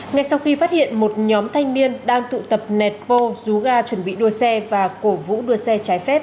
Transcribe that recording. ngay sau khi phát hiện một nhóm thanh niên đang tụ tập nẹt bô rú ga chuẩn bị đua xe và cổ vũ đua xe trái phép